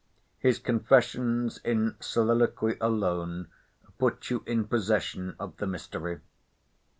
His confessions in soliloquy alone put you in possession of the mystery.